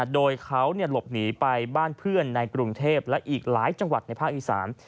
โดยเขาหลบหนีไปบ้านเพื่อนในกรุงเทพและอีกหลายจังหวัดในภาคอีสาน